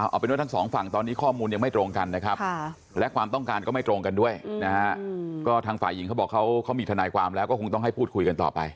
เอาเป็นว่าทั้งสองฝั่งตอนนี้ข้อมูลยังไม่ตรงกันนะครับและความต้องการก็ไม่ตรงกันด้วยนะฮะก็ทางฝ่ายหญิงเขาบอกเขามีทนายความแล้วก็คงต้องให้พูดคุยกันต่อไป